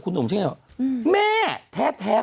คุณหนุ่มกัญชัยได้เล่าใหญ่ใจความไปสักส่วนใหญ่แล้ว